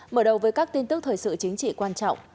mở đầu với các tin tức thời sự chính trị quan trọng